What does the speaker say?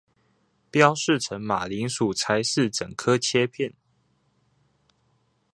標示成馬鈴薯才是整顆切片